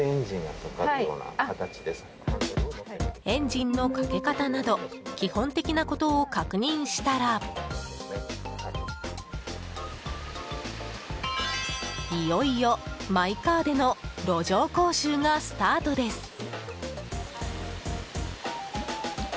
エンジンのかけ方など基本的なことを確認したらいよいよマイカーでの路上講習がスタートです。